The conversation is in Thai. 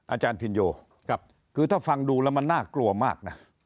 อาจารย์พินโยคือถ้าฟังดูแล้วมันน่ากลัวมากนะ